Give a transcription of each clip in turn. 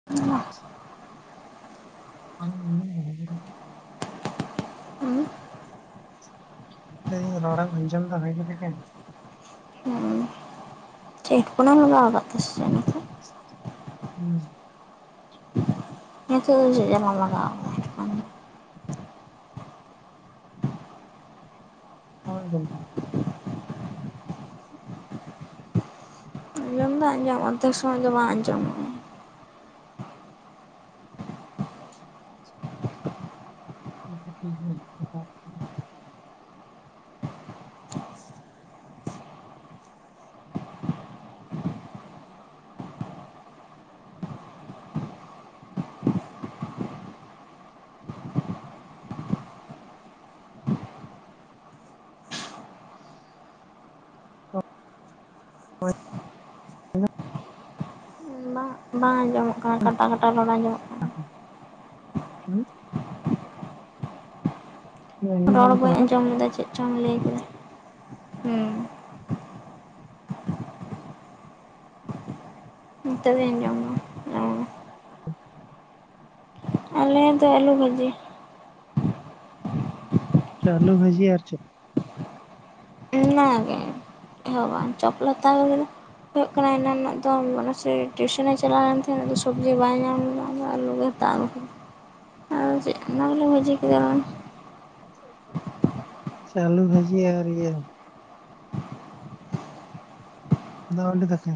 [inaudible] [inaudible] [inaudible] ᱦᱩᱸ? ᱞᱟᱹᱭ ᱫᱤᱧ ᱨᱚᱲᱮᱢ ᱟᱸᱡᱚᱢ ᱫᱟ ᱵᱷᱟᱜᱮ ᱞᱮᱠᱟ? ᱦᱩᱸ ᱴᱷᱤᱴ ᱦᱮᱰᱯᱷᱳᱱᱮᱢ ᱞᱟᱜᱟᱣ ᱠᱟᱜ ᱜᱮᱥᱮ? ᱦᱩᱸ᱾ ᱱᱤᱛᱚᱜ ᱫᱚ ᱪᱮᱫ ᱡᱟᱞᱟᱢ ᱞᱟᱜᱟᱣ ᱠᱟᱜᱼᱟ? ᱵᱟᱢ ᱟᱡᱚᱢ ᱫᱟ? ᱟᱸᱡᱚᱢ ᱫᱚ ᱟᱡᱚᱢᱚᱜ-ᱟ ᱚᱫᱫᱷᱮᱠ ᱥᱚᱢᱚᱭ ᱜᱮ ᱵᱟᱝ ᱟᱸᱡᱚᱢᱚᱜᱼᱟ᱾ [inaudible] [inaudible] ᱵᱟᱝ ᱵᱟᱝ ᱟᱸᱡᱚᱢᱚᱜ ᱠᱟᱱᱟ, ᱠᱟᱴᱟ ᱠᱟᱴᱟ ᱫᱚᱢᱮ ᱟᱸᱡᱚᱢᱚᱜ ᱠᱟᱱᱟ᱾ ᱦᱩᱸ? ᱨᱚᱲ ᱵᱟᱹᱧ ᱟᱸᱡᱚᱢ ᱞᱮᱫᱟ ᱪᱮᱫ ᱪᱚᱢ ᱞᱟᱹᱭ ᱠᱮᱫᱟ ᱦᱩᱸ᱾ ᱱᱤᱛᱚᱜ ᱫᱩᱧ ᱟᱡᱚᱢ ᱫᱟ ᱚᱸ᱾ ᱟᱞᱮ ᱫᱚ ᱟᱹᱞᱩ ᱵᱷᱟᱹᱡᱤ᱾ ᱟᱞᱩ ᱵᱷᱟᱹᱡᱤ ᱟᱨ ᱪᱮᱫ? ᱚᱱᱟ ᱜᱮ ᱪᱮᱫ ᱦᱚ ᱵᱟᱝ, ᱪᱚᱯ ᱞᱮ ᱦᱟᱛᱟᱣ ᱟᱜᱩ ᱠᱮᱫᱟ᱾ ᱦᱩᱭᱩᱜ ᱠᱟᱱᱟ ᱮᱱᱟᱱᱟᱜ ᱫᱚ ᱵᱚᱱᱚᱥᱥᱨᱤ ᱴᱤᱭᱩᱥᱚᱱᱮ ᱪᱟᱞᱟᱣ ᱞᱮᱱ ᱛᱟᱦᱮᱸ ᱟᱫᱚ ᱥᱚᱵᱽᱡᱤ ᱵᱟᱭ ᱧᱟᱢ ᱞᱮᱫᱟ, ᱟᱫᱚ ᱟᱞᱩᱜᱮ ᱦᱟᱛᱟᱣ ᱟᱜᱩ ᱠᱮᱫᱟ, ᱟᱫᱚ ᱪᱮᱫ ᱚᱱᱟ ᱜᱮᱞᱮ ᱵᱷᱟᱡᱤ ᱠᱮᱫᱟ᱾ ᱪᱮ ᱟᱞᱩ ᱵᱷᱟᱡᱤ ᱟᱨ ᱤᱭᱟᱹ ᱫᱟᱜ ᱢᱟᱹᱰᱤ ᱫᱟᱠᱟ?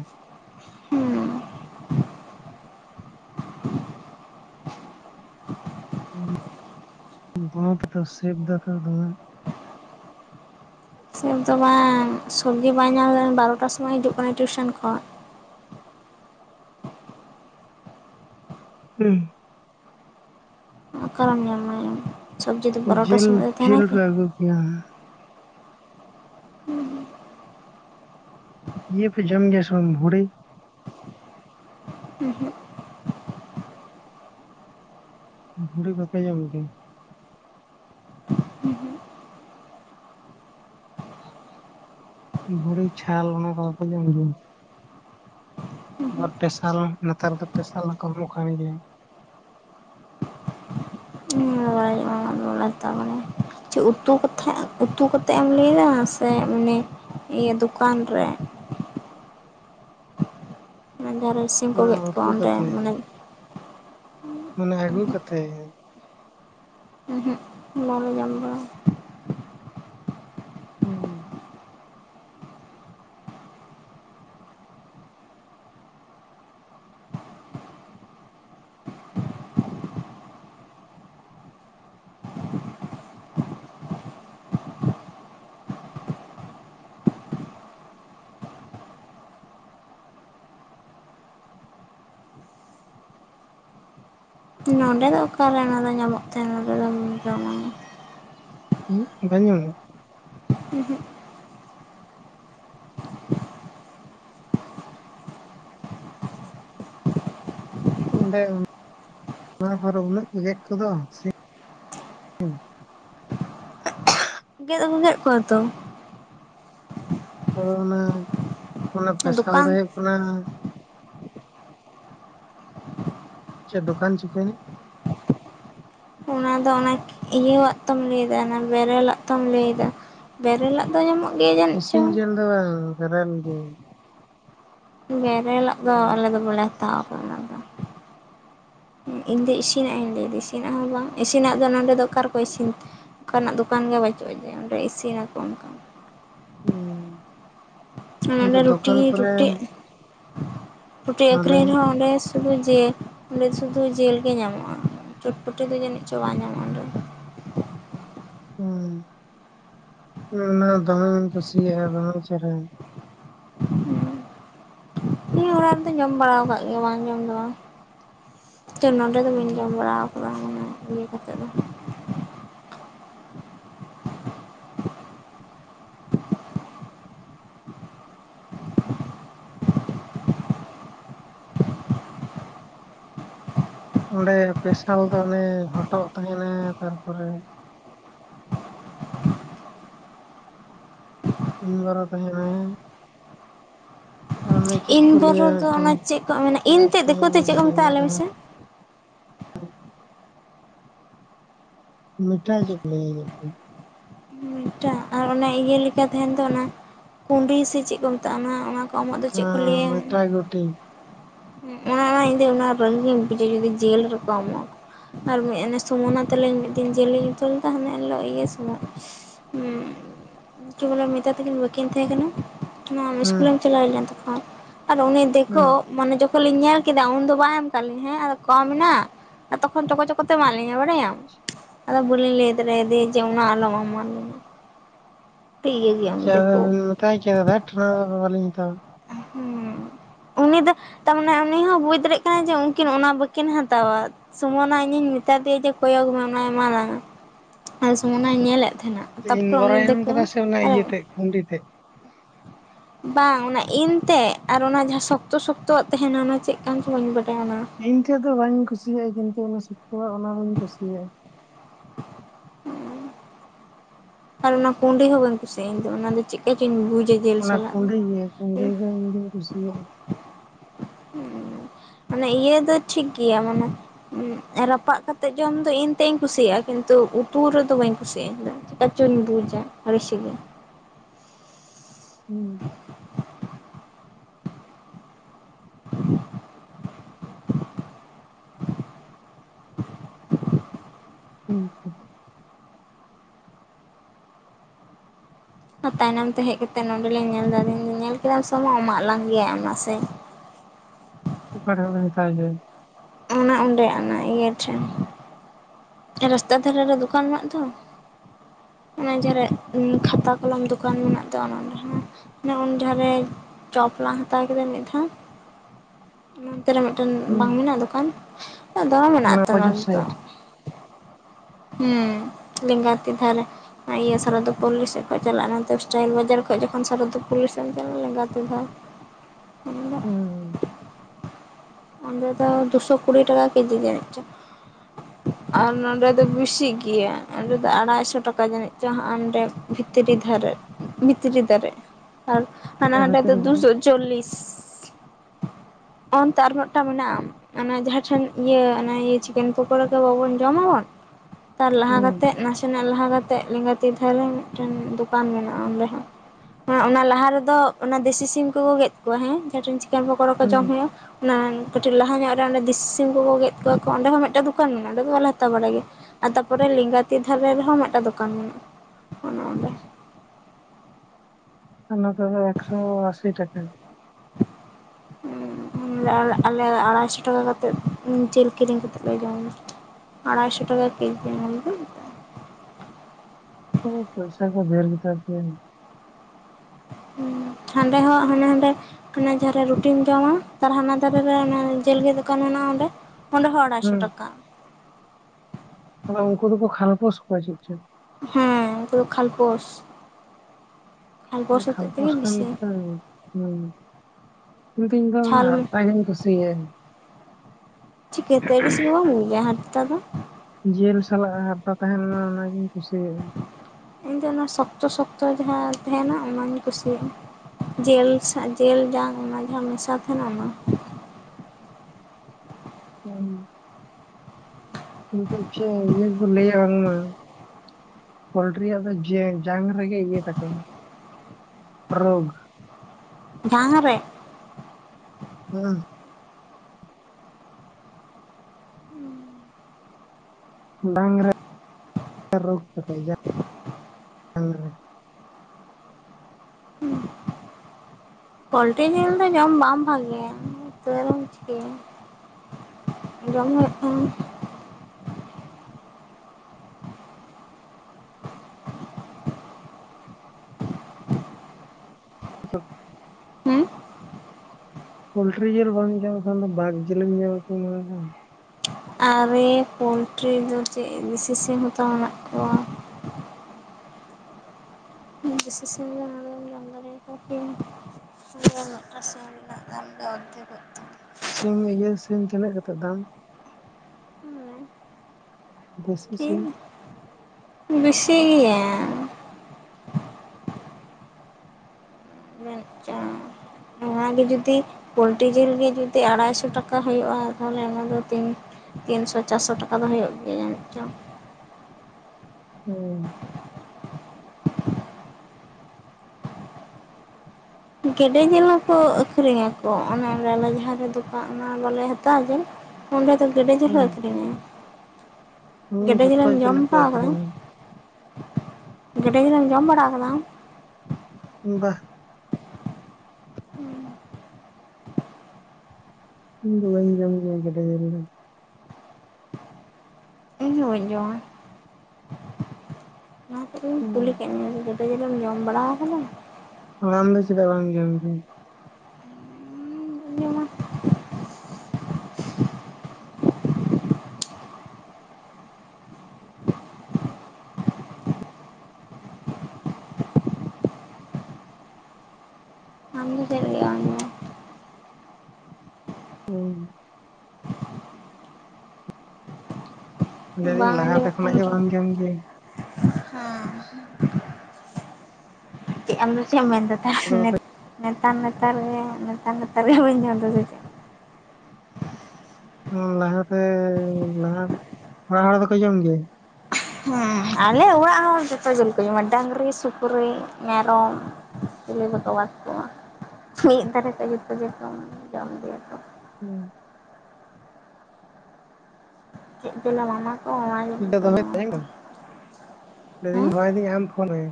ᱩᱸᱜ [unintelligible] ᱫᱟᱢᱮ ᱥᱮᱵ ᱫᱟᱛᱟ ᱫᱚᱢᱮ᱾ ᱥᱮᱵ ᱫᱚ ᱵᱟᱝ ᱥᱚᱵᱽᱡᱤ ᱵᱟᱭ ᱧᱟᱢ ᱞᱮᱱ ᱵᱟᱨᱚᱴᱟ ᱥᱩᱢᱚᱭ ᱦᱤᱡᱩᱜ ᱠᱟᱱᱟ ᱴᱤᱭᱩᱥᱮᱱ ᱠᱷᱚᱡ᱾ ᱦᱩᱸ᱾ ᱚᱠᱟᱨᱮᱢ ᱧᱟᱢᱟ ᱥᱚᱵᱽᱡᱤ ᱫᱚ ᱵᱚᱨᱚᱴᱟ ᱥᱚᱢᱚᱭ ᱫᱚ ᱛᱟᱸᱦᱮᱱᱟ ᱠᱤ᱾ ᱡᱟᱦᱟᱸ ᱤᱭᱟᱹ ᱯᱮ ᱡᱚᱢ ᱜᱮᱭᱟ ᱥᱤ ᱵᱷᱩᱸᱲᱤ? ᱩᱸᱦᱩᱜ᱾ ᱵᱷᱩᱸᱲᱤ ᱵᱟᱯᱮ ᱡᱚᱢ ᱜᱮᱭᱟ? ᱵᱷᱩᱸᱲᱤ ᱪᱷᱟᱞ ᱚᱱᱟ ᱠᱚ ᱵᱟᱯᱮ ᱡᱚᱢ ᱜᱮᱭᱟ? ᱟᱨ ᱯᱮᱥᱟᱞ ᱱᱮᱛᱟᱨ ᱫᱚ ᱯᱮᱥᱟᱞ ᱦᱚᱸᱠᱚ ᱮᱢᱚᱜ ᱠᱟᱱ ᱜᱮᱭᱟ᱾ ᱩᱱᱟᱹᱜ ᱵᱟᱭ ᱦᱟᱛᱟᱣ ᱵᱟᱲᱟᱭᱟ᱾ ᱪᱮᱫ ᱩᱛᱩ ᱠᱟᱛᱷᱟ ᱩᱛᱩ ᱠᱟᱛᱮᱫ ᱮᱢ ᱞᱟᱹᱭᱮᱫᱟ, ᱥᱮ ᱢᱟᱱᱮ ᱤᱭᱟᱹ ᱫᱚᱠᱟᱱ ᱨᱮ ᱢᱟᱱᱮ ᱡᱟᱦᱟᱸᱨᱮ ᱥᱤᱢ ᱠᱚ ᱚᱱᱟ ᱜᱮᱫ ᱠᱚᱣᱟ ᱩᱛᱩ ᱚᱸᱰᱮ ᱠᱟᱛᱮ ᱢᱟᱱᱮ ᱢᱟᱱᱮ ᱟᱹᱜᱩ ᱠᱟᱛᱮᱜ᱾ ᱩᱸᱦᱩᱜ᱾ ᱵᱟᱢ ᱟᱸᱡᱚᱢ ᱫᱟ? ᱦᱩᱸ᱾ ᱱᱚᱰᱮ ᱫᱚ ᱚᱠᱟᱨᱮ ᱚᱱᱟ ᱫᱚ ᱧᱟᱢᱚᱜ ᱛᱮ ᱱᱚᱰᱮ ᱫᱚᱢ ᱡᱚᱢᱟ᱾ ᱩᱸᱜ ᱵᱟᱭ ᱧᱟᱢᱚᱜ ᱩᱸᱦᱩᱜ᱾ ᱚᱸᱰᱮ [unintelligible] ᱚᱱᱟ ᱫᱷᱟᱨᱮ ᱩᱱᱟᱹᱜ ᱠᱚ ᱜᱮᱫ ᱠᱚᱫᱚ ᱥᱤᱢ᱾ ᱜᱮᱫ ᱫᱚᱠᱚ ᱜᱮᱫ ᱠᱚᱣᱟ ᱛᱚ, ᱛᱚ ᱚᱱᱟ ᱚᱱᱟ ᱯᱮᱥᱟᱞ ᱫᱚ ᱫᱚᱠᱟᱱ ᱦᱩᱭᱩᱜ ᱠᱟᱱᱟ ᱪᱮᱫ ᱫᱚᱠᱟᱱ ᱪᱤᱠᱟᱹᱭᱱᱟ? ᱚᱱᱟ ᱫᱚ ᱚᱱᱟ ᱤᱭᱟᱹᱜ ᱛᱚᱢ ᱞᱟᱹᱭᱫᱟ ᱚᱱᱟ ᱵᱮᱨᱮᱞ ᱟᱜ ᱛᱚᱢ ᱞᱟᱹᱭᱫᱟ? ᱵᱮᱨᱮᱞᱟᱜ ᱫᱚ ᱧᱟᱢᱚᱜ ᱜᱮᱭᱟ ᱡᱟᱹᱱᱤᱡ ᱤᱥᱤᱱ ᱪᱚᱝ ᱡᱮᱞ ᱫᱚ ᱵᱟᱝ ᱵᱮᱨᱮᱞ᱾ ᱵᱮᱨᱮᱞᱟᱜ ᱫᱚ ᱟᱞᱮ ᱫᱚ ᱵᱟᱞᱮ ᱦᱟᱛᱟᱣᱼᱟ ᱚᱱᱟ ᱫᱚ᱾ ᱤᱧᱫᱚ ᱤᱥᱤᱱᱟᱜ ᱤᱧ ᱞᱟᱹᱭᱫᱟ ᱤᱥᱤᱱᱟᱜ ᱦᱚᱸ ᱵᱟᱝ ᱤᱥᱤᱱᱟᱜ ᱫᱚ ᱱᱚᱸᱰᱮ ᱫᱚ ᱚᱠᱟᱟᱨ ᱠᱚ ᱤᱥᱤᱱ? ᱚᱱᱠᱟᱱᱟᱜ ᱫᱚᱠᱟᱱ ᱜᱮ ᱵᱟᱹᱪᱩᱜᱼᱟ ᱡᱮ ᱚᱸᱰᱮ ᱤᱥᱤᱱᱟᱠᱚ ᱚᱱᱠᱟ᱾ ᱩᱸ ᱱᱚᱰᱮ ᱚᱱᱛᱮ ᱫᱚᱠᱟᱱ ᱠᱚᱨᱮ [unintelligible] ᱟᱞᱮ ᱟᱠᱷᱨᱤᱧ ᱨᱮᱦᱚᱸ ᱚᱸᱰᱮ ᱥᱩᱫᱷᱩ ᱡᱮᱞ ᱚᱸᱰᱮ ᱥᱩᱫᱷᱩ ᱡᱮᱞ ᱜᱮ ᱧᱟᱢᱚᱜᱼᱟ, ᱪᱚᱴ ᱯᱚᱴ ᱫᱚ ᱡᱟᱹᱱᱤᱡ ᱪᱚ ᱵᱟᱝ ᱧᱟᱢᱚᱜᱼᱟ ᱚᱸᱰᱮ ᱫᱚ᱾ ᱩᱸ ᱚᱱᱟ ᱫᱚᱢᱮᱧ ᱠᱩᱥᱤᱭᱟᱜᱼᱟ, ᱫᱚᱢᱮ ᱪᱮᱦᱨᱟ ᱤᱧ ᱚᱲᱟᱜ ᱨᱮᱫᱚ ᱡᱚᱢ ᱵᱟᱲᱟ ᱠᱟᱫ ᱜᱮᱭᱟ ᱵᱟᱝ ᱡᱚᱢ ᱫᱚ ᱵᱟᱝ ᱱᱚᱰᱮ ᱫᱚ ᱵᱟᱹᱧ ᱦᱩᱸ, ᱡᱚᱢ ᱵᱟᱲᱟ ᱠᱟᱫᱟ ᱤᱭᱟᱹ ᱠᱟᱛᱮᱫ ᱫᱚ᱾ ᱚᱸᱰᱮ ᱯᱮᱥᱟᱞ ᱫᱚ ᱚᱱᱮ ᱦᱚᱴᱚᱜ ᱛᱟᱸᱦᱮᱱᱟ ᱛᱟᱨᱯᱚᱨᱮ ᱤᱱᱵᱚᱨᱚ ᱛᱟᱦᱮᱸᱱᱟ᱾ ᱪᱮᱫ ᱤᱱ ᱠᱚ ᱵᱚᱨᱚ ᱞᱟᱹᱭᱟ ᱫᱚ ᱢᱤᱫᱴᱟᱝ ᱚᱱᱟ ᱪᱮᱫ ᱠᱚ ᱢᱮᱱᱟ ᱤᱱ ᱛᱮᱫ ᱥᱚᱯᱛᱟᱦᱮ ᱫᱤᱠᱩᱛᱮ ᱜᱮ ᱪᱮᱫ ᱠᱚ ᱠᱟᱹᱴᱤᱡ ᱚᱱᱟ ᱢᱮᱛᱟᱜᱼᱟ ᱞᱮ ᱛᱟᱦᱮᱱᱟ ᱢᱮᱥᱮ? ᱢᱤᱴᱷᱴᱟ ᱪᱮᱫᱠᱚ ᱞᱟᱹᱭᱟ ᱡᱟᱱᱤᱪ᱾ ᱢᱤᱫᱴᱟᱜ? ᱟᱨ ᱚᱱᱟ ᱤᱭᱟᱹ ᱞᱮᱠᱟ ᱛᱟᱸᱦᱮᱱ ᱫᱚ, ᱚᱱᱟ ᱠᱩᱸᱰᱤ ᱥᱮ ᱪᱮᱫ ᱠᱚ ᱢᱮᱛᱟᱜᱼᱟ ᱚᱱᱟ ᱚᱱᱟ ᱠᱚ ᱚᱢᱚᱜ ᱫᱚ ᱪᱮᱫ ᱠᱚ ᱞᱟᱹᱭᱟ? ᱨᱩᱴᱤ ᱚᱱᱟ ᱚᱱᱟ ᱤᱧ ᱫᱚ ᱚᱱᱟ ᱨᱟᱹᱜᱤᱧ ᱵᱩᱡᱟ ᱡᱩᱫᱤ ᱡᱮᱞ ᱨᱮᱠᱚ ᱮᱢᱚᱜ-ᱟ᱾ ᱟᱨ ᱢᱤᱫ ᱮᱱᱮ ᱥᱚᱢᱩᱱᱟ ᱛᱟᱞᱤᱧ ᱢᱤᱫ ᱫᱤᱱ ᱡᱞᱤᱧ ᱩᱛᱩ ᱞᱮᱫᱟ ᱦᱟᱸᱱᱮ ᱤᱱᱞᱳᱜ ᱤᱭᱟᱹ ᱥᱩᱢᱳᱜ [unintelligible] ᱠᱤ ᱵᱚᱞᱮ ᱢᱮᱛᱟ ᱛᱟᱹᱠᱤᱱ ᱵᱟᱹᱠᱤᱱ ᱛᱟᱦᱮᱸ ᱠᱟᱱᱟ? ᱟᱢ ᱦᱮᱸ ᱮᱥᱠᱩᱞᱮᱢ ᱪᱟᱞᱟᱣ ᱞᱮᱱ ᱛᱚᱠᱷᱚᱱ, ᱟᱨᱚ ᱩᱱᱤ ᱦᱩᱸ ᱫᱮᱞᱳ ᱢᱟᱱᱮ ᱡᱚ ᱟᱫᱚ ᱞᱤᱧ ᱧᱮᱞ ᱠᱮᱫᱟ ᱩᱱᱫᱚ ᱵᱟᱭ ᱢᱮᱛᱟᱜ ᱞᱤᱧ ᱦᱮᱸ ᱟᱫᱚ ᱠᱚᱢ ᱱᱟ ᱟᱨ ᱛᱠᱷᱚᱱ ᱪᱳᱠᱳ ᱪᱳᱠᱳ ᱛᱮ ᱮᱢᱟᱜ ᱞᱤᱧᱟ ᱵᱟᱲᱟᱭᱟᱢ᱾ ᱟᱫᱚ ᱵᱟᱹᱞᱤᱧ ᱞᱟᱹᱭ ᱫᱟᱲᱮᱭ ᱫᱤ ᱡᱮ ᱚᱱᱟ ᱟᱞᱚᱢ ᱮᱢᱟᱣ ᱞᱤᱧᱟ, ᱴᱷᱤᱠ ᱜᱮᱭ ᱪᱮ ᱚᱱᱟ ᱫᱚᱵᱤᱱ ᱢᱮᱛᱟ ᱠᱮᱭᱟᱛᱚ ᱫᱷᱮᱴ ᱚᱱᱟ ᱫᱚ ᱵᱟᱞᱤᱧ ᱦᱟᱛᱟᱣᱟ᱾ ᱦᱩᱸ ᱩᱱᱤ ᱫᱚ ᱛᱟᱨᱢᱟᱱᱮ ᱩᱱᱤ ᱦᱚᱸ ᱵᱩᱡᱽ ᱫᱟᱲᱮᱜ ᱠᱟᱱᱟ ᱡᱮ ᱩᱱᱠᱤᱱ ᱚᱱᱟ ᱵᱟᱹᱠᱤᱱ ᱦᱟᱛᱟᱣᱟ᱾ ᱥᱩᱢᱚᱱᱟ ᱤᱧᱤᱧ ᱢᱮᱛᱟ ᱫᱮᱭᱟ ᱡᱮ ᱠᱚᱭᱚᱜ ᱢᱮ ᱚᱱᱟᱭ ᱮᱢᱟᱣᱞᱟᱝᱟ, ᱟᱨ ᱥᱩᱢᱚᱱᱟᱭ ᱧᱮᱞᱮᱫ ᱛᱟᱸᱦᱮᱱᱟ᱾ ᱤᱱᱵᱚᱨᱚᱭ ᱮᱢ ᱠᱟᱫᱟ ᱥᱮ ᱚᱱᱟ ᱤᱭᱟᱹ ᱛᱮᱜ ᱠᱩᱰᱸᱤ ᱛᱮᱜ? ᱵᱟᱝ ᱚᱱᱟ ᱤᱱ ᱛᱮᱜ ᱟᱨ ᱚᱱᱟ ᱡᱟᱦᱟᱸ ᱥᱚᱠᱛᱚ ᱥᱚᱠᱛᱚᱣᱟᱜ ᱛᱟᱸᱦᱮᱱᱟ ᱚᱱᱟ ᱪᱮᱫ ᱠᱟᱱᱪᱟ ᱵᱟᱹᱧ ᱵᱟᱰᱟᱭᱟ ᱚᱱᱟ᱾ ᱤᱱ ᱴᱷᱮᱡ ᱫᱚ ᱵᱟᱹᱧ ᱠᱩᱥᱤᱭᱟᱜ-ᱟ, ᱠᱤᱱᱛᱩ ᱚᱱᱟ ᱥᱚᱠᱛᱚᱣᱟᱜ ᱚᱱᱟ ᱫᱚᱧ ᱠᱩᱥᱤᱭᱟᱜ-ᱟ᱾ ᱩᱸ ᱟᱨ ᱚᱱᱟ ᱠᱩᱸᱰᱤ ᱦᱚᱸ ᱵᱟᱹᱧ ᱠᱩᱥᱤᱭᱟᱜ-ᱟ, ᱤᱧ ᱫᱚ ᱚᱱᱟ ᱫᱚ ᱪᱮᱫᱠᱟ ᱪᱚᱧ ᱵᱩᱡ ᱚᱱᱟ ᱠᱩᱸᱰᱤ ᱜᱮ ᱠᱩᱸᱰᱤ ᱫᱚ ᱤᱧ ᱫᱩᱧ ᱠᱩᱥᱤᱭᱟᱜ-ᱟ᱾ ᱢᱟᱱᱮ ᱤᱭᱟᱹ ᱫᱚ ᱴᱷᱤᱠ ᱜᱮᱭᱟ, ᱢᱟᱱᱮ ᱚᱸ ᱨᱟᱯᱟᱜ ᱠᱟᱛᱮᱜ ᱡᱚᱢ ᱫᱚ ᱤᱱ ᱛᱮᱫ ᱤᱧ ᱠᱩᱥᱤᱭᱟᱜ-ᱟ, ᱠᱤᱱᱛᱩ ᱩᱛᱩ ᱨᱮᱫᱚ ᱵᱟᱹᱧ ᱠᱩᱥᱤᱭᱟᱜ-ᱟ ᱤᱧ ᱫᱚ᱾ ᱪᱮᱠᱟ ᱪᱩᱧ ᱵᱩᱡᱟ ᱟᱹᱲᱤ ᱥᱮᱜᱮ᱾ ᱦᱩᱸ᱾ [inaudible] ᱦᱩᱸ᱾ ᱟ ᱛᱟᱭᱱᱚᱢ ᱛᱮ ᱦᱮᱡ ᱠᱟᱛᱮ ᱱᱚᱸᱰᱮ ᱞᱤᱧ ᱧᱮᱞᱫᱟᱞᱤᱧ ᱧᱮᱞ ᱠᱮᱫᱟᱢ ᱥᱚᱢᱚ ᱮᱢᱟᱜᱞᱟᱝ ᱜᱮᱭᱟᱭ ᱚᱱᱟ ᱥᱮ᱾ ᱚᱠᱟᱨᱮ ᱵᱚᱞᱮᱢ ᱢᱮᱛᱟᱭ ᱜᱮ᱾ ᱚᱱᱟ ᱚᱸᱰᱮ ᱚᱱᱟ ᱤᱭᱟᱹ ᱴᱷᱮᱱ᱾ ᱨᱟᱥᱛᱟ ᱫᱷᱟᱨᱮ ᱨᱮ ᱫᱚᱠᱟᱱ ᱢᱮᱱᱟᱜ ᱫᱚ, ᱚᱱᱮ ᱡᱟᱦᱟᱸ ᱨᱮ ᱠᱷᱟᱛᱟ ᱠᱚᱞᱚᱢ ᱫᱚᱠᱟᱱ ᱢᱮᱱᱟᱜ ᱫᱚ ᱚᱱᱮ ᱚᱸᱰᱮ, ᱚᱱᱮ ᱩᱱ ᱡᱟᱸᱦᱟᱨᱮ ᱪᱚᱯ ᱞᱟᱝ ᱦᱟᱛᱟᱣ ᱠᱮᱫᱟ ᱢᱤᱫ ᱫᱷᱟᱣ [inaudible] ᱱᱚᱱᱛᱮ ᱨᱮ ᱢᱤᱫᱴᱮᱱ ᱦᱩᱸ ᱵᱟᱝ ᱢᱮᱱᱟᱜ-ᱟ ᱫᱚᱠᱟᱱ ᱟᱫᱚ ᱢᱮᱱᱟᱜ ᱚᱱᱟ ᱛᱟᱢᱟ ᱚᱯᱚᱡᱤᱴ ᱱᱤᱛᱚᱜ ᱥᱟᱭᱤᱰ ᱦᱩᱸ ᱞᱮᱸᱜᱟᱛᱤ ᱫᱷᱟᱨᱮ ᱤᱭᱟᱹ ᱥᱟᱨᱟᱚᱫ ᱯᱚᱞᱞᱤ ᱥᱮᱫ ᱠᱷᱡ ᱪᱟᱞᱟᱜ ᱚᱱᱮ ᱚᱱᱛᱮ ᱥᱴᱟᱭᱤᱞ ᱵᱟᱡᱟᱨ ᱠᱷᱚᱱ ᱡᱚᱠᱷᱚᱱ ᱥᱟᱨᱟᱚᱫᱟᱯ ᱯᱚᱞᱞᱤ ᱥᱮᱫᱮᱢ ᱪᱟᱞᱟᱜ ᱞᱮᱸᱜᱟ ᱛᱤ ᱫᱷᱟ [inaudible] ᱦᱩᱸ ᱚᱸᱰᱮ ᱫᱚ ᱫᱩᱥᱚ ᱠᱩᱲᱤ ᱴᱟᱠᱟ ᱠᱮᱡᱤ ᱡᱟᱹᱱᱤᱡ ᱪᱚ᱾ ᱟᱨ ᱱᱚᱰᱮ ᱫᱚ ᱵᱮᱥᱤ ᱜᱮᱭᱟ ᱚᱸᱰᱮ ᱫᱚ ᱟᱲᱟᱭᱥᱚ ᱴᱟᱠᱟ ᱡᱟᱹᱱᱤᱡ ᱪᱚᱸ ᱦᱟᱸᱜ ᱚᱱᱰᱮ ᱵᱷᱤᱛᱨᱤ ᱫᱷᱟᱨᱮ ᱵᱷᱤᱛᱨᱤ ᱫᱷᱟᱨᱮ ᱟᱨ ᱦᱟᱱᱮ ᱚᱠᱟ ᱦᱟᱸᱰᱮ ᱫᱚ ᱵᱷᱤᱛᱨᱤ ᱠᱚᱨᱮ ᱫᱩᱥᱚᱼᱼ ᱪᱚᱞᱞᱤᱥ᱾ ᱚᱱᱛᱮ ᱟᱨ ᱢᱤᱫᱴᱟᱝ ᱢᱮᱱᱟᱜ-ᱟ, ᱚᱱᱟ ᱡᱟᱦᱟᱸ ᱴᱷᱮᱱ ᱤᱭᱟᱹ ᱚᱱᱟᱹ ᱪᱤᱠᱮᱱ ᱯᱚᱠᱚᱲᱟ ᱟᱫᱚ ᱵᱟᱵᱚᱱ ᱡᱚᱢᱟᱵᱚᱱ ᱛᱟᱨ ᱞᱟᱦᱟ ᱦᱩᱸ ᱠᱟᱛᱮᱜ ᱱᱟ ᱥᱮᱱᱟᱜ ᱞᱟᱦᱟ ᱠᱟᱛᱮᱜ ᱞᱮᱸᱜᱟᱛᱤ ᱫᱷᱟᱨᱮ ᱢᱤᱫᱴᱮᱱ ᱫᱚᱠᱟᱱ ᱢᱮᱱᱟᱜ-ᱟ ᱚᱸᱰᱮ ᱦᱚᱸ᱾ ᱚᱱᱟ ᱞᱟᱦᱟ ᱨᱮᱫᱚ ᱚᱱᱟ ᱫᱮᱥᱤ ᱥᱤᱢ ᱠᱚᱠᱚ ᱜᱮᱫ ᱠᱚᱣᱟ ᱦᱮᱸ ᱡᱟᱸᱦᱟᱴᱷᱮᱱ ᱪᱤᱠᱮᱱ ᱯᱚᱠᱚᱲᱟ ᱠᱚ ᱦᱩᱸ ᱡᱚᱢ ᱦᱩᱭᱩᱜ-ᱟ, ᱚᱱᱟ ᱠᱟᱹᱴᱤᱡ ᱞᱟᱦᱟ ᱧᱚᱜ ᱨᱮ ᱚᱸᱰᱮ ᱫᱮᱥᱤ ᱥᱤᱢ ᱠᱚᱠᱚ ᱜᱮᱫ ᱠᱚᱣᱟ ᱚᱸᱰᱮ ᱦᱚᱸ ᱢᱤᱫᱴᱟᱝ ᱫᱚ ᱫᱚᱠᱟᱱ ᱢᱮᱱᱟᱜᱼᱟ ᱚᱸᱰᱮ ᱫᱚ ᱵᱟᱞᱮ ᱦᱟᱛᱟᱣ ᱵᱟᱲᱟᱭ ᱜᱮᱭᱟ ᱟᱨ ᱛᱟᱯᱚᱨᱮ ᱞᱮᱸᱜᱟᱛᱤ ᱫᱷᱟᱨᱮ ᱨᱮᱦᱚᱸ ᱢᱤᱫᱴᱟᱝ ᱫᱚᱠᱟᱱ ᱢᱮᱱᱟᱜ-ᱟ᱾ ᱚᱱᱟ ᱚᱸᱰᱮ᱾ ᱱᱚᱛᱮᱫᱚ ᱮᱠᱥᱚ ᱟᱥᱤ ᱴᱟᱠᱟ᱾ ᱦᱩᱸ ᱟ ᱟᱞᱮ ᱟᱲᱟᱭᱥᱚ ᱴᱟᱠᱟ ᱠᱟᱛᱮᱫ ᱡᱤᱞ ᱠᱤᱨᱤᱧ ᱠᱟᱛᱮᱫ ᱞᱮ ᱡᱚᱢ ᱜᱮᱭᱟ᱾ ᱟᱲᱟᱭᱥᱚ ᱴᱟᱠᱟ ᱠᱮᱡᱤ, ᱮᱢ ᱫᱚ ᱟᱯᱮ ᱫᱚ ᱯᱚᱭᱥᱟ ᱠᱚ ᱵᱷᱮᱨ ᱜᱮᱛᱟ ᱯᱮᱭᱟ᱾ ᱦᱩᱸ ᱦᱟᱸᱰᱮ ᱦᱚᱸ ᱦᱟᱸᱱᱮ ᱦᱟᱸᱰᱮ ᱦᱟᱱᱮ ᱡᱟᱦᱟᱸ ᱨᱮ ᱨᱩᱴᱤᱧ ᱡᱚᱢᱟ ᱛᱟᱨ ᱦᱟᱱᱟ ᱫᱷᱟᱨᱮ ᱨᱮ ᱚᱱᱮ ᱡᱮᱞ ᱜᱮᱫ ᱫᱚᱠᱟᱱ ᱢᱮᱱᱟᱜ-ᱟ ᱚᱸᱰᱮ, ᱚᱸᱰᱮ ᱦᱚᱸ ᱟᱰᱦᱟᱭᱥᱚ ᱦᱩᱸ ᱴᱟᱠᱟ᱾ ᱛᱟᱦᱚᱞᱮ ᱩᱱᱠᱩ ᱫᱩᱠᱩ ᱠᱷᱟᱨᱞᱯᱳᱥ ᱠᱚᱣᱟ ᱪᱮᱫ ᱪᱚᱝ? ᱦᱮᱸ ᱩᱱᱠᱩ ᱫᱚ ᱠᱷᱟᱞ ᱯᱳᱥ᱾ ᱚᱱᱟ ᱠᱷᱟᱞ ᱛᱮᱜᱮ ᱯᱚᱥ ᱠᱷᱟᱱ ᱵᱮᱥᱤ ᱛᱚ ᱦᱩᱸ ᱠᱤᱱᱛᱩ ᱤᱧ ᱫᱚ ᱚᱱᱟ ᱪᱷᱟᱞ ᱦᱟᱨᱛᱟ ᱜᱤᱧ ᱠᱩᱥᱤᱭᱟᱹᱧ᱾ ᱪᱤᱠᱟᱹᱛᱮ ᱟᱹᱰᱤᱥ ᱜᱮ ᱵᱟᱢ ᱵᱩᱡ-ᱟ ᱦᱟᱨᱛᱟ ᱫᱚ? ᱡᱮᱞ ᱥᱟᱞᱟᱜ ᱦᱟᱨᱛᱟ ᱛᱟᱸᱦᱮᱱ ᱢᱟ ᱚᱱᱟᱜᱮᱧ ᱠᱩᱥᱤᱭᱟᱜ ᱤᱧ ᱾ ᱤᱧ ᱫᱚ ᱚᱱᱟ ᱥᱚᱠᱛᱚ ᱥᱚᱠᱛᱚ ᱡᱟᱦᱟᱸ ᱛᱟᱸᱦᱮᱱᱟ ᱚᱱᱟᱧ ᱠᱩᱥᱤᱭᱟᱜᱼᱟ ᱾ ᱡᱮᱞ ᱥᱟᱜ ᱡᱮᱞ ᱡᱟᱝ ᱚᱱᱟ ᱡᱟᱦᱟᱸ ᱢᱮᱥᱟ ᱛᱟᱸᱦᱮᱱᱟ ᱚᱱᱟ ᱾ ᱦᱩᱸ᱾ ᱢᱩᱪᱟᱹᱫ ᱤᱪᱷᱟ ᱤᱭᱟᱹ ᱠᱚ ᱞᱟᱹᱭᱟ ᱟᱨ ᱚᱱᱟ ᱾ ᱯᱳᱞᱴᱨᱤᱭᱟᱜ ᱫᱚ ᱡᱮ ᱡᱟᱝ ᱨᱮᱜᱮ ᱤᱭᱟᱹ ᱛᱟᱠᱚ ᱨᱳᱜᱽ ᱾ ᱰᱟᱝ ᱨᱮ? ᱦᱩᱸ ᱾ ᱰᱟᱝᱨᱮ ᱨᱳᱜᱽ ᱛᱟᱠᱚ, ᱡᱟ ᱡᱟᱝ ᱨᱮ ᱾ ᱯᱳᱞᱴᱨᱤ ᱡᱤᱞ ᱫᱚ ᱡᱚᱢ ᱵᱟᱝ ᱵᱷᱟᱜᱮᱭᱟ, ᱛᱟᱹ ᱨᱮᱦᱚᱢ ᱪᱤᱠᱟᱹᱭᱟ ᱾ ᱡᱚᱢ ᱦᱩᱭᱩᱜ ᱠᱟᱱᱟ᱾ [inaudible] ᱦᱩᱸ ᱾ ᱯᱳᱞᱴᱨᱤ ᱡᱤᱞ ᱵᱟᱢ ᱧᱟᱢ ᱠᱷᱟᱱ ᱫᱚ ᱵᱟᱜᱽ ᱡᱤᱞ ᱮᱢ ᱧᱟᱢ ᱠᱷᱟᱱ [unintelligible] ᱾ ᱟᱹᱣᱨᱤ ᱯᱳᱞᱴᱨᱤ ᱫᱚ ᱪᱮᱫ ᱫᱮᱥᱤ ᱥᱤᱢ ᱦᱚᱸᱛᱚ ᱢᱮᱱᱟᱜ ᱠᱚᱣᱟ ᱾ ᱫᱮᱥᱤ ᱥᱤᱢ ᱜᱮ [unintelligible] ᱦᱮᱸ ᱱᱟᱠᱦᱟ ᱥᱮᱱ ᱨᱮᱱᱟᱜ ᱠᱟᱱ ᱫᱚ ᱚᱫᱦᱮᱠ ᱠᱚᱛᱮ ᱾ ᱥᱤᱢ ᱤᱭᱟᱹ ᱥᱤᱢ ᱛᱤᱱᱟᱹᱜ ᱠᱟᱛᱮᱜ ᱫᱟᱢ? ᱥᱤᱢ ᱵᱮᱥᱤ ᱜᱮᱭᱟ ᱾ ᱡᱟᱹᱱᱤᱡ ᱪᱚᱝ ᱱᱚᱣᱟ ᱜᱮ ᱡᱩᱫᱤ ᱯᱳᱞᱴᱨᱤ ᱡᱤᱞ ᱜᱮ ᱡᱩᱫᱤ ᱟᱨᱟᱭᱥᱚ ᱴᱟᱠᱟ ᱦᱩᱭᱩᱜᱼᱟ ᱛᱟᱦᱚᱞᱮ ᱚᱱᱟ ᱫᱚ ᱛᱤᱱ ᱛᱤᱱᱥᱚ ᱪᱟᱨᱥᱚ ᱴᱟᱠᱟ ᱫᱚ ᱦᱩᱭᱩᱜ ᱜᱮᱭᱟ ᱡᱟᱹᱱᱤᱡ ᱪᱚᱝ᱾ ᱦᱩᱸ᱾ ᱜᱮᱰᱮ ᱡᱮᱞ ᱦᱚᱸᱠᱚ ᱟᱹᱠᱷᱨᱤᱧᱟᱠᱚ ᱚᱱᱟ ᱨᱮ ᱟᱞᱮ ᱡᱟᱦᱟᱸᱨᱮ ᱫᱚᱠᱟ ᱚᱱᱟ ᱵᱟᱞᱮ ᱦᱟᱛᱟᱣᱟ ᱡᱮ ᱚᱸᱰᱮ ᱫᱚ ᱜᱮᱰᱮ ᱡᱤᱞ ᱦᱚᱸ ᱦᱩᱸ ᱟᱹᱠᱷᱨᱤᱧᱟᱭ᱾ ᱦᱩᱸ ᱜᱮᱰᱮ ᱡᱤᱞ ᱡᱷᱚᱛᱚ ᱮᱢ ᱡᱚᱢ ᱠᱚ ᱵᱟᱣ ᱟᱠᱟᱫᱟ ᱟᱹᱠᱷᱨᱤᱧᱟ ᱜᱮᱰᱮ ᱡᱤᱞ ᱮᱢ ᱡᱚᱢ ᱵᱟᱲᱟᱣ ᱟᱠᱟᱫᱟᱢ? ᱵᱟᱦ᱾ ᱦᱩᱸ᱾ ᱤᱧ ᱫᱚ ᱵᱟᱹᱧ ᱡᱚᱢ ᱜᱤᱭᱟ ᱜᱮᱰᱮ ᱡᱤᱞ ᱫᱚ ᱾ ᱤᱧ ᱦᱚᱸ ᱵᱟᱹᱧ ᱡᱚᱢᱟ ᱚᱱᱟ ᱛᱮ ᱜᱮᱧ ᱦᱩᱸ ᱠᱩᱞᱤ ᱠᱮᱫ ᱢᱮᱭᱟ ᱵᱩᱡᱷᱟᱹᱣ ᱾ ᱛᱟᱹᱣ ᱨᱮᱦᱚᱸᱢ ᱡᱚᱢ ᱵᱟᱲᱟ ᱟᱠᱟᱫᱟ? ᱟᱨ ᱟᱢ ᱫᱚ ᱪᱮᱫᱟᱜ ᱵᱟᱢ ᱡᱚᱢ ᱜᱮᱭᱟ? ᱵᱟᱹᱧ ᱡᱚᱢᱟ᱾ ᱟᱢ ᱫᱚ ᱪᱮᱫ ᱞᱟᱹᱜᱤᱫ ᱵᱟᱢ ᱡᱚᱢᱟ? ᱦᱩᱸ᱾ ᱞᱟᱹᱭ ᱫᱤᱧ ᱞᱟᱦᱟᱛᱮ ᱠᱷᱚᱱᱟᱜ ᱜᱮ ᱵᱟᱢ ᱡᱚᱢ ᱜᱮᱭᱟ? ᱦᱚᱸ ᱪᱮᱫ ᱟᱢ ᱫᱚ ᱪᱮᱫ ᱮᱢ ᱢᱮᱱᱫᱟ? ᱱᱮᱛᱟᱨ ᱟᱫᱚ ᱵᱟᱠᱷᱟᱡ ᱱᱮᱛᱟᱨ ᱱᱮᱛᱟᱨ ᱜᱮ ᱱᱮᱛᱟᱨ ᱱᱮᱛᱟᱨ ᱜᱮ ᱵᱟᱹᱧ ᱡᱚᱢᱫᱟ ᱥᱮ ᱪᱮᱫ? ᱞᱟᱦᱟᱛᱮ ᱞᱟᱦᱟ ᱚᱲᱟᱜ ᱦᱚᱲ ᱫᱚᱠᱚ ᱡᱚᱢ ᱜᱮ᱾ ᱦᱮᱸ ᱟᱞᱮ ᱚᱲᱟᱜ ᱦᱚᱲ ᱡᱚᱛᱚ ᱡᱤᱞ ᱠᱚ ᱡᱚᱢᱟ ᱰᱟᱝᱨᱤ ᱥᱩᱠᱨᱤ ᱢᱮᱨᱚᱢ ᱾ ᱪᱤᱞᱤ ᱦᱚ ᱵᱟᱠᱚ ᱵᱟᱫ ᱠᱚᱣᱟ ᱢᱤᱫ ᱫᱷᱟᱨᱮ ᱛᱮ ᱡᱚᱛᱚ ᱡᱚᱛᱚᱢ ᱡᱚᱢ ᱤᱫᱤᱭᱟᱠᱚ ᱾ ᱦᱩᱸ᱾ ᱪᱮᱫ ᱛᱮᱞᱮ ᱢᱟᱢᱟ ᱫᱚᱦᱚᱭ [unintelligible] ᱞᱟᱹᱭ ᱫᱟᱹᱧ ᱦᱮᱸ ᱫᱚᱦᱚᱭᱫᱟᱹᱧ ᱟᱢ ᱯᱷᱳᱱᱟ ᱢᱮ᱾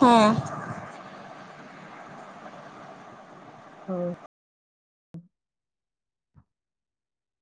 ᱦᱮᱸ᱾ ᱦᱳ᱾